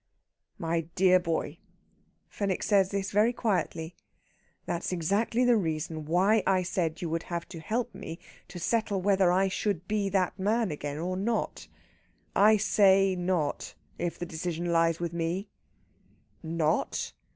"My dear boy" Fenwick says this very quietly "that's exactly the reason why I said you would have to help me to settle whether I should be that man again or not. I say not, if the decision lies with me." "Not?